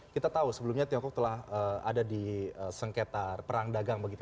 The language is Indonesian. kita tahu sebelumnya tiongkok telah ada di sengketa perang dagang begitu